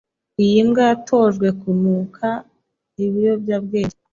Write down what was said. Iyi mbwa yatojwe kunuka ibiyobyabwenge.